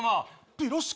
ピロシキ。